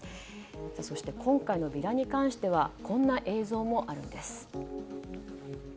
そして、今回のビラに関してはこんな映像もあるんです。